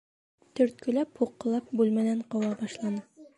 Төрткөләп, һуҡҡылап бүлмәнән ҡыуа башланы.